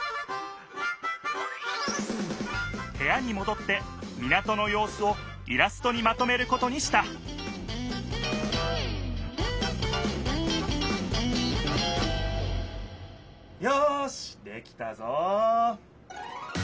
へやにもどって港のようすをイラストにまとめることにしたよしできたぞ！